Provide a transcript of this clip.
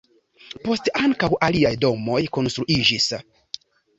Poste ankaŭ aliaj domoj konstruiĝis.